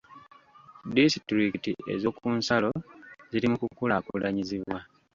Disitulikiti ez'okunsalo ziri mu kukulaakulanyizibwa .